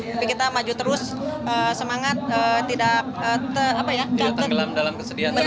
tapi kita maju terus semangat tidak tergelam dalam kesedihan terus ya